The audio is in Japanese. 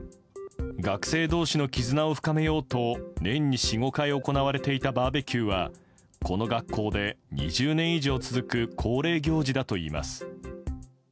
学生同士の絆を深めようと年に４５回行われていたバーベキューはこの学校で２０年以上続く恒例行事だといいます。